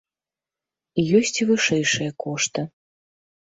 Ёсць і вышэйшыя кошты.